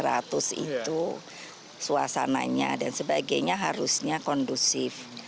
itu yang harusnya diperluasannya dan sebagainya harusnya kondusif